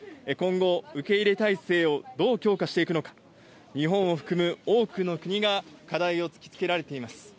今後、受け入れ態勢をどう強化していくのか、日本を含む多くの国が課題を突きつけられています。